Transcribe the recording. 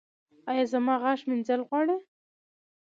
ایا زما غاښ مینځل غواړي؟